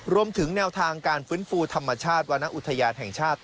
รวมถึงแนวทางการฟื้นฟูธรรมชาติวรรณอุทยานแห่งชาติ